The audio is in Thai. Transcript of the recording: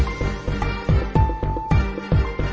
กินโทษส่องแล้วอย่างนี้ก็ได้